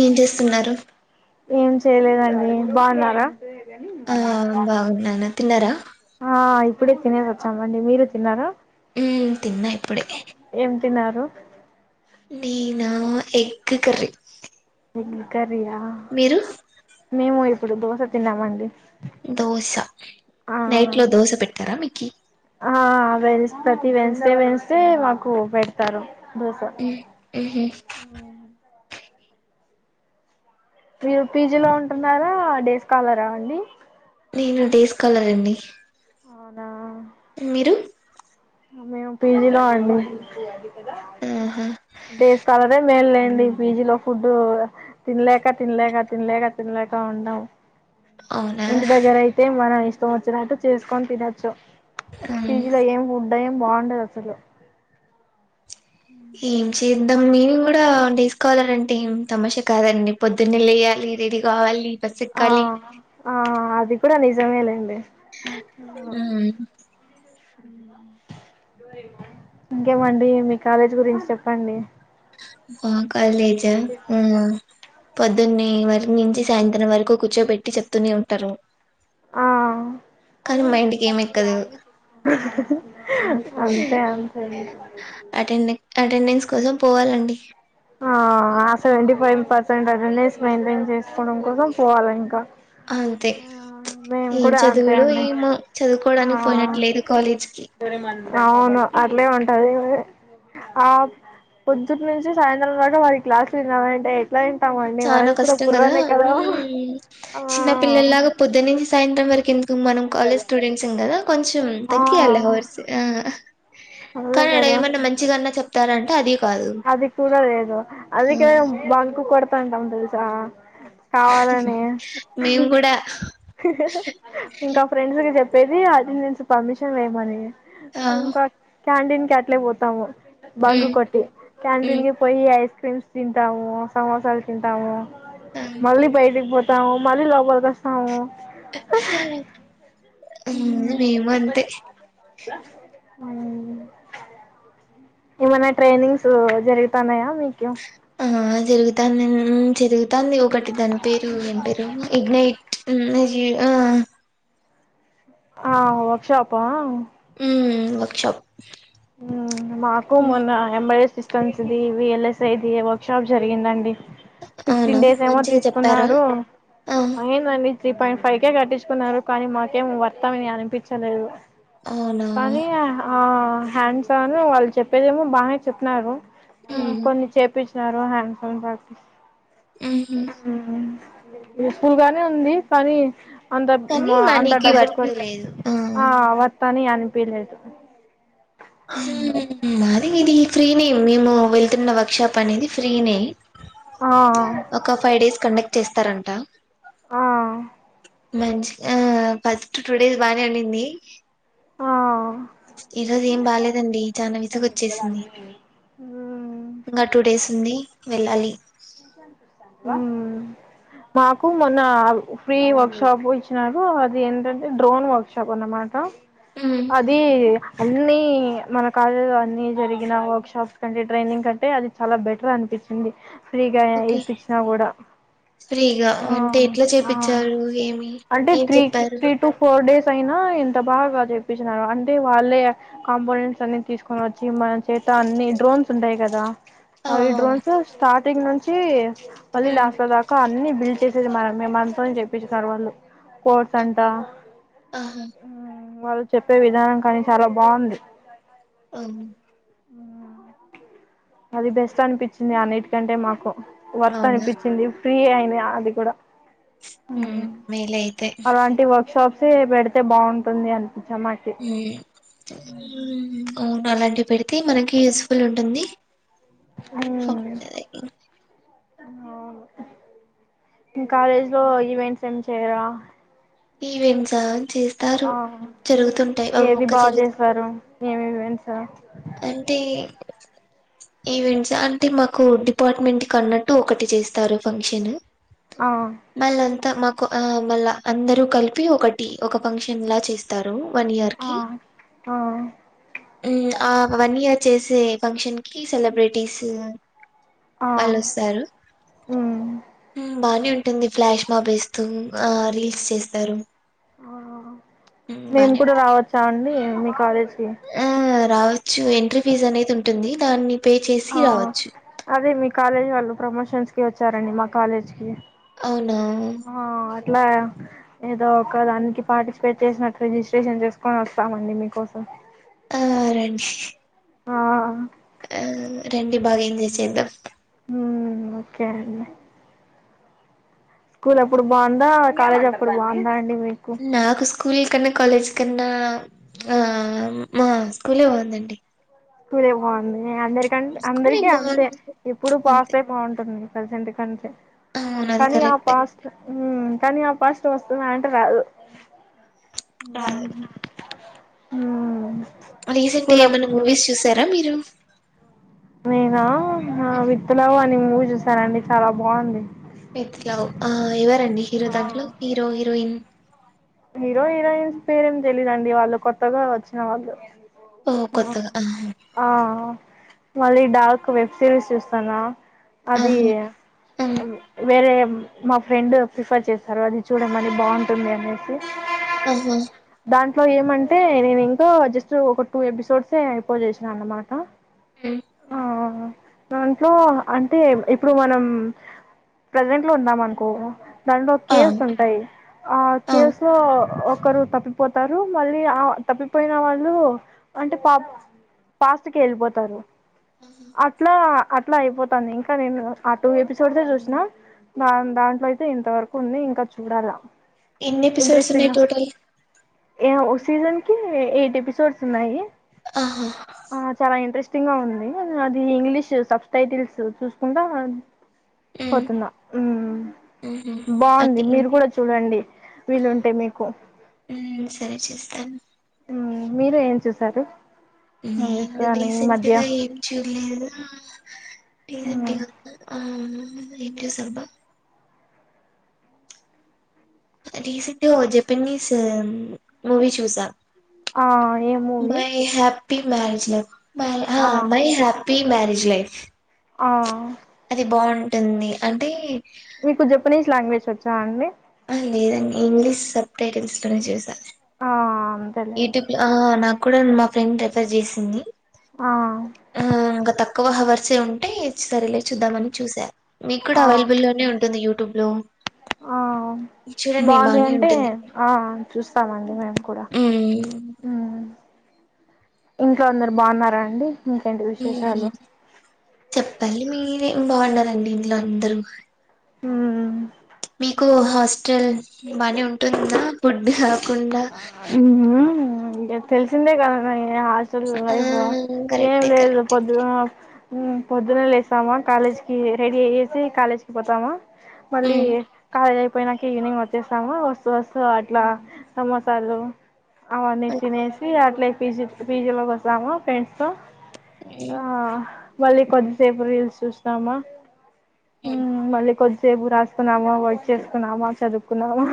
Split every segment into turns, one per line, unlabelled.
ఏం చేస్తున్నారు.
ఏం చేయలేదండి బాగున్నారా,
ఆ బాగున్నాను తిన్నారా
ఆ ఇప్పుడే తినేది, తిన్నమండీ మీరు తిన్నారా,
ఉ తిన్నా ఇప్పుడే,
ఏం తిన్నారు
నేనా ఎగ్ కర్రి
గ్ కర్రీ యా మేము ఇప్పుడు దోస తినం అండి
దోశ నైట్ లో దోశ పెట్టారా మీకి
ఆ వెన్ ప్రతి వెన్స్డే వెన్స్డే మాకు పెడతారు దోశ
ఉ ఉహు
మీరు పీజీ లో ఉంటున్నారా డేస్కాలరా అండి
నేను డేస్ స్కాలర్ అండి
అ
మీరు
మేము పీజిలో అండి
ఆహా,
డేస్ స్కాలర్ ఏ మేల్లే మేం బీజీ లో ఫుడ్ తినలేక తినలేక తినలేక తినలేక ఉన్నాం
అవునా
ఇంటి దగ్గర అయితే మన ఇ ష్టం వచ్చినట్టు చేసుకొని తినొచ్చు
మ్మ్.
పిజీ లో ఎమ్ దయం బాగుండదు అసలు
ఏం చేద్దాం మీని కూడాసుకోవాలారంటే ఏం తమష కాదండి పొద్దున్నే లేయ్యాలి రెడీ కావాలి బస్
ఆ
ఎక్కాలి
ఆ అద్ ది కూడా నిజమే లేండి
ఉ
ఇంకేమండి మీ కాలేజీ గురించి చెప్పండి.
మా కాలేజా హ పొద్దున్నే వర్ణించి సాయంత్రం వరకు కూర్చో పెట్టి చెప్తూనే ఉంటారు.
ఆ
కానీ
అవును
మైండ్కి ఏం
అప్పుడు
ఎక్కదు
[inaudible] అంతే అంతే అండి.
అటెండ్ అటెండెన్స్ కోసం పోవాలండి.
ఆ ఆ seventy five percent attendance maintain చేసుకోవడం కోసం పోవాలింకా.
అంతే ఏం
అంతే
చదువులో
అండి
ఏమో
ఆ
చదువుకోవడానికి పోయినట్లేదు కాలేజ్కి
అవును అట్లే ఉంటది. ఆ పొద్దుటి నుంచి సాయంత్రం దాక మరి క్లాస్లు వినాలంటే
చానా కష్టం కదా హ్మ్
ఆ
చిన్న పిల్లల్లాగా పొద్దునించి సాయంత్రం వరకు ఎంద మనం కాలేజ్ స్టూడెంట్స్ం కదా కొంచెం
ఆ
తగ్గియాలి అవర్స్
అదే
కానీ అడ
కదా
ఏమన్నా మంచిగాన్నా చె ఇత్తార అంటే అది కాదు
అది కూడా లేదు
ఆ,
అదికద బంకు కాడ ఇత్తంటం తెలుసా
మేము కూడా
హాహా ఇంకా ఫ్రెండ్స్ కి చెప్పే ఏ అది తెలుసు పర్మిషన్ చేమాని
ఆ
క్యాంటీన్ కి అట్లే పోతాము. బంక్
మ్మ్
కొట్టి క్యాంటీన్
మ్మ్
కి పొయి ఐస్ క్రీమ్స్ తింటాము, సమోసాలు తింటాము.
ఆ
మళ్ళీ బయటికి పో తా మళ్ళీ ఎప్పుడు దస్త్
హ్మ్ మేము కూడా ఇమంతే
అవును ఏమైనా ట్రైనింగ్స్ జరుగుతన్నాయా మీకు
ఎమన్నా జరుగుతాన్నా ముంచరు తంది ఒకటి పంపిరు నెంబరు ఇగ్నైట [unintelligible] నిను
ఆ వర్క్ షాప్ ఆ
మ్మ్ వర్క్ షాప్
ఉ నాకు కొంచెం వీళ్ళ సైజు వర్క్ షాప్ జరిగిందండి
అవునా
ఫిఫ్టీన్ డేస్ ఏమో
మంచిగా చెప్పారా
తీసుకున్నారు
ఆ
త్రీ పాయింట్ ఫైవ్ కేే కట్టించుకున్నారు కానీ మాకేం వర్తా అని ఏమ్ అనిపించలేదు
అవునా
కానీ ఆ హ్యాండ్సా అమె వాళ్ళు చెప్పేదేమో బాగానే చెప్పినారు ఉ
మ్మ్
కొన్ని చేపి సారే నండి పొండి అయితే
ఉహూ
నప్పుడు గానే ఉంది కానీ అంత
కానీ
మ అంత
మనీకి
డబ్బులు కొ
వర్త్ లేదు
ఆ వత్తన్నాయని అని టిఫెన్ చేస
సో మాది బిర్యానీ అండి ఫ్రీనే మేము వెళ్తున్న వర్క్ షాప్ అనేది ఫ్రీనే
ఆ
ఒక ఫైవ్ డేస్ కండక్ట్ చేస్తారంట
ఆ
మంచిగా ఫస్ట్ టూ డేస్ బాగానే ఉండింది
ఆ
ఈరోజు ఏం బాలేేదండి చానా విసుగు వచ్చేసింది ఇంకా టూ డేస్ ఉంది వెళ్ళాలి
మాకు మొన్న ఫ్రీ వర్క్ షాప్ ఇచ్చినారు అది ఏంటంటే డ్రోన్ వర్క్ షాప్ అన్నమాట
మ్మ్
అదీ అన్ని మన కాలేజలో అన్ని జరిగిన వర్క్ షాప్స్ కంటే ట్రైనింగ్ కంటే అది చాలా బెటర్ అనిపించింది ఫ్రీగా
ఓకే
ఇపించినా కూడా
ఫ్రీగా అంటే ఎట్లా చేపిచ్చారు ఏమి
అంటే
ఏం
త్రీ
చెప్పారు
త్రీ టూ ఫోర్ డేస్ అయినా ఇంత బాగా కా చెప్పించినారు అంటే వాళ్ళే కాంపోనెంట్స్ అన్ని తీసుకొని వచ్చి మన చేత అన్ని డ్రోన్స్ ఉంటాయి కదా
ఆ
అవి డ్రోన్స్ స్టార్ట్ స్టింగ్ నుంచి మళ్ళీ
ఉమ్
లాస్ట్ దాక అన్ని బిల్ట్ చేసేది మనమే మనతోనే చెపిస్తారు వాళ్లు కోర్స్
ఆ
అంటా
ఆహా
వాళ్ళు చెప్పే విధానం కానీ చాలా బాగుంది
అవును
అది బెస్ట్ అనిపించింది ఆన్నిటికంటే మాకు వర్త్
అవునా
అనిపించింది ఫ్రీ అయినియా అది కూడా
ఉమ్ మేలే అయితే
ఫ్రీగా పెడితే బాగుంటుంది అని
ఉమ్ ఏంటలా పెడితే మనకి యూజ్ పుల్ ఉంటుంది బాగుంటది
ఉమ్ కాలేజ్ లో ఈవెంట్స్ ఏం చేయరా
ఈవెంట్స్ ఆ
ఆ
అవి
ఏది
ఒక్క
బాగా
జరుగుతు
చేసారు ఏమోమి ఈవెంట్స్
అంటే ఈవెంట్స్ అంటే మాకు డిపార్ట్మెంట్ కి అన్నట్టు ఒకటి చేస్తారు ఫంక్షన్
ఆ
మళ్ళంతా మాకు ఆ మళ్ళా అందరూ కలిపి ఒకటి ఒక ఫంక్షన్ లా చేస్తారు వన్ ఇయర్
ఆ
కి
ఆ
ఒక వన్ ఇయర్ చేసే ఫంక్షన్ కి సెలబ్రిటీస్
ఆ
వాళ్ళు వస్తారు
ఉమ్
బానే ఉంటుంది ఫ్లాష్ మాబ్ వేస్తూ ఆ రీల్స్ చేస్తారు.
ఆహ్
హ్మ్.
మేము
బానే
కూడా
ఉంటుంది.
రావచ్చా అండీ మీ కాలేజ్ కీ
ఆ! రావచ్చు ఎంట్రీ ఫీజ్ అనేది ఉంటుంది దాన్ని పే చేసి రావచ్చు
కాలేజ్ వాళ్ళు ప్రమోషన్స్ కి వచ్చారండి మా కాలేజ్ కి
అవునా
ఆ అట్లా ఏదో ఒక దానికి పార్టిసిపేట్ చేసినట్టు రిజిస్ట్రేషన్ చేసుకొని వస్తామండి మీకోసం
ఆహ్ రండి
ఆ
ఆ రండి బాగా ఎంజాయ్ చేద్దాం
హ్మ్ ఓకే అండీ స్కూల్ అప్పుడు బాగుందా కాలేజ్ అప్పుడు బాగుందా అండి మీకు
నాకు స్ స్కూల్ కన్నా కాలేజ్ కన్నా ఆహ్ మా స్కూలే బాందండి
స్కూలే బాగుంది అందరికంటే
స్కూలే
అందరికి అంతే
బావుంది.
ఎప్పుడు
అంతే.
పాస్టే బాగుంటుంది ప్రజెంట్ క అంతే
అవును. అది
కానీ ఆ
కరెక్టే.
ఫాస్ట్ హ్మ్ కానీ ఆ పాస్లో వస్తుంద అంటే రాదు
రాదు
ఉహ్
రీసెంట్ గా ఏమన్నా మూవీస్ చూస తరా మీరు
నేనా ఆహ్ విత్ లవ్ అని మూవీ చూసారండి చాలా బాగుంది.
విత్ లవ్ ఆహ్ ఎవరండి హీరో దాంట్లో హీరో హీరోయిన్
హీరో హీరోయిన్స్ పేర్లు ఏం తెలీదండి వాళ్ళు కొత్తగా వచ్చిన వాళ్ళు
ఓ కొత్తగా ఆహ్
ఆ మళ్ళీ డార్క్ వెబ్ సిరీస్ చూస్తానా అది
ఆహా ఉమ్
వేరే మా ఫ్రెండ్ ప్రిఫర్ చేస్తారు అది చూడమని బాగుంటుంది అనేసి
ఆ
దాంట్లో ఏమంటే నేను ఇంకా జస్ట్ ఒక టూ ఎపిసోడ్స్ అయిపోసేసినా అన్నమాట
హ్మ్
ఆ దాంట్లో అంటే ఇప్పుడు మనం ప్రెజెంట్ లో ఉంటాం అనుకో దాంట్లో ఒక
ఆ
కేవ్స్ ఉంటాయి ఆ కేవ్స్ లో ఒక ఒకరు తప్పిపోతారు మళ్ళీ ఆ తప్పిపోయిన వాళ్ళు అంటే పా ఫాస్ట్ కి వెళ్ళిపోతారు
ఆహా.
అట్లా అట్లా అయిపోతుంది ఇంకా నేను ఆ టూ ఎపిసోడ్స్ చూసినా దా దాంట్లో అయితే ఇంతవరకు ఉంది ఇంకా చూడాలా
ఎన్ని ఎపిసోడ్స్
ఇంట్రెస్ంగ్
ఉన్నాయి టోటల్
ఏ సీజన్ కి ఎయిట్ ఎపిసోడ్స్ ఉన్నాయి
ఆహా
ఆ చాలా ఇంట్రెస్ట్ అవును అది ఇంగ్లీష్ సబ్ టైటిల్స్ చూసుకుంటా
ఉమ్
పోతున్న మ్మ్
ఉహు
బాగుంది
అంటే ఇం
మీరు కూడా చూడండి
ఆ
వీలుంటే మీకు
ఉమ్ సరే చేస్తాను
మీరు ఏం చూసారు మూవీస్
నేను
కానీ ఈ మధ్య
రీసెంట్గా ఏం చూడలేదు ఏంటి ఆ ఏంతో సులభం రీసెంట్గా ఓ జపనీస్ మూవీ చూసా
ఆ ఏమూవి
మై హ్యాపీ మ్యారేజ్ లైఫ్ మ మై హ్యాపీ మ్యారేజ్ జలైఫ్
ఆ
అది బాగుంటుంది అంటే
మీకు జపనీస్ లాంగ్వేజ్ వాచ్ చ అండి
లేదండి ఇంగ్లీష్ సబ్ టైటిల్స్ లోనే చూసా
ఆ అంతేలేండి
యూట్యూబ్ లో నా కూడా మా ఫ్రెండ్ రెఫర్ చేసింది
ఆ
ఆ అంగ తక్కువ హావర్ వచ్చే ఉంటే సరిలే చూద్దామని చూసా మీకు కూడా
ఆ
అవైలబుల్లో లోనే ఉంటుంది యా టుబ్లు
ఆ బాగుంది
బానే
అంటే
ఉంటుంది
ఆ చూస్తామండి మేము కూడా
ఉమ్
మ్మ్ ఇంట్లో అందరు బాగున్నారా అండి ఇంకేంటి
మ్మ్
విశేషాలు
చెప్పాలి మీ మేం బాగున్నారండి ఇంట్లో అందరం
హ్మ్
మీకు హాస్టల్ బానే ఉంటుందా ఫుడ్ కాకుండా
హ్మ్ మ్మ్ ఇంగ తే తిన్లేద ఇంగ హాస్టల్
ఆ
లైఫ్ ఏం
కరెక్టే
లేదు
కరెక్టే
పొద్దున మ్మ్ పొద్దున్న లేస్తామా కాలేజ్ కి రెడీ అయేసి కాలేజ్ కి పోతామా మళ్ళీ
ఉమ్
కాలేజ్ ఐపో పోయినాక ఈవినింగ్ వచ్చేస్తాము వస్తూ వస్తూ అట్లా సమోసాలు అవన్నీ తినేసి అట్లే పీజీ పీజీలోకి వస్తాము ఫ్రెండ్స్ తో ఆ
ఓకే.
మళ్ళీ కొద్దిసేపు రీల్స్ చూస్తామా మ్మ్ మళ్ళీ కొద్ది సేపు రాసుకున్నామా వర్క్ చేసుకున్నామా చదువుకున్నామా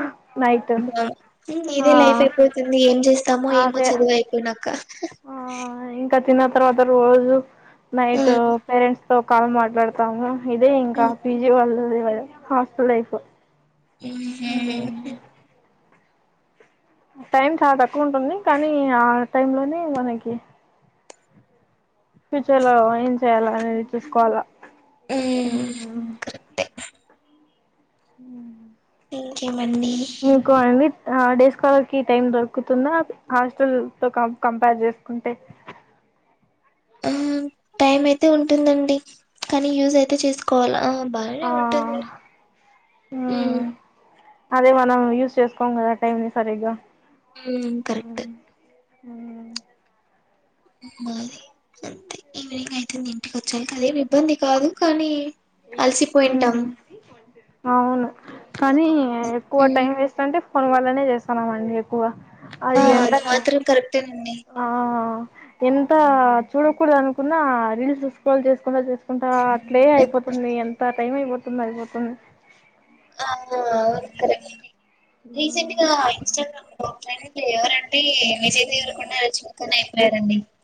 నైట్
పడుకున్నావా హ్మ్మ్
ఆ
ఇదే లైఫ్ అయిపోతుంది ఏం చేస్తామో ఏమో
అదే
చదువు అయిపోయినా అక్క
ఆ ఇంకా తిన తర్వాత రోజు నైట్
హ్మ్.
పేరెంట్స్ లో కాల్ మాట్లాడ్తాము. ఇదే ఇంకా
హ్మ్.
పీజీ వాళ్ళది హాస్టల్ లైఫ్
ఉహు
టైం చాలా తక్కువ ఉంటుంది కానీ ఆ టైమ్ లోనే మనకి ఫ్యూచర్ లో ఏం చేయ్యాలా అనేది చూసుకోవాలా
హ్మ్మ్ కరెక్ట్ యే
హ్మ్మ్
ఏం చే
మీకు అండి ఆ డేస్ కాలర్కి టైం దొరుకుతుందా హాస్టల్తో కం కంపేర్ చేస్కుంటే
ఆ టైం అయితే ఉంటుందండి కానీ యూస్ అయితే చేసుకోవాల బానే
ఆ
ఉంటుంది. మ్
ఉమ్ అదే మనం యూస్ చేసుకోం కదా టైంని సరిగ్గా
మ్ కరెక్ట్
హ్
ఉగాది అంతే ఈవినింగ్ అయితుంది ఇంటికి వచ్చాక అదేమి ఇబ్బంది కాదు కానీ అలసిపోయింటాం
ఇప్పుడు అవును. కానీ
అదొక బాధ.
ఎక్కువ
హ్మ్.
టైం వేస్టంటే ఫోన్ వల్లనే చేస్తున్నామండి ఎక్కువ
ఆ!
అది ఎంతా
మాత్రం కరెక్టేనండి
ఆ ఎంత చూడకూడదనుకున్నా రీల్స్ స్క్రోల్ చేస్కుంటా చేస్ కుంటా అట్లే అయిపో అన్ని ఎంత టైం అయిపోతుంది అయిపోతుంది.
ఆ అవును కరెక్టే రీసెంట్గా ఇన్స్టాగ్రామ్ ట్రెండ్ ఎవరంటే విజయ్ దేవరకొండ, రష్మిక [inaudible]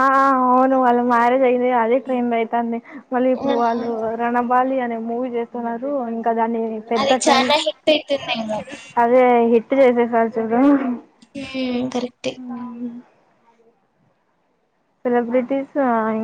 ఆ అవును వాళ్ళ మ్యారేజ్ అయి అదే అదే ట్రెండ్ అయితాంది. మళ్ళీ ఇప్పుడు వాళ్ళు రణబాలి అనే మూవీ చేస్తున్నారు. ఇం కదాని పెద్ద
అది
ట్రెండ్
చానా హిట్ అయితుందేమో.
అదే హిట్ చేసేసా అర్జున్
మ్ కరెక్టే
సెలబ్రిటీస్ ఆ ఇన్